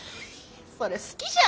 それ好きじゃん！